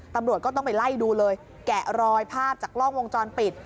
ตำรวจก็ต้องไปไล่ดูเลยแกะรอยภาพจากกล้องวงจรปิด